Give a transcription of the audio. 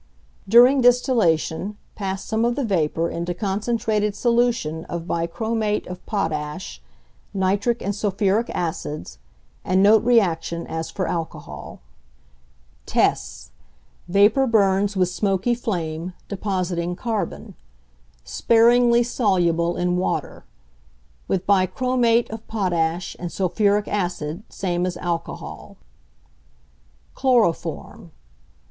During distillation pass some of the vapour into concentrated solution of bichromate of potash, nitric and sulphuric acids, and note reaction as for alcohol. Tests. Vapour burns with smoky flame, depositing carbon. Sparingly soluble in water. With bichromate of potash and sulphuric acid same as alcohol. =Chloroform.